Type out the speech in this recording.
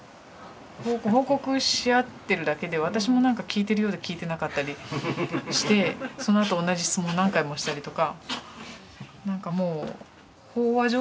報告し合ってるだけで私もなんか聞いてるようで聞いてなかったりしてそのあと同じ質問を何回もしたりとか。